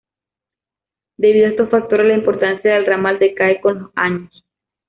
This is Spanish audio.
Debido a estos factores, la importancia del ramal decae con los años.